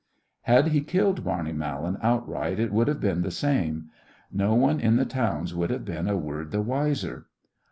Had he killed Barney Mallan outright, it would have been the same. No one in the towns would have been a word the wiser.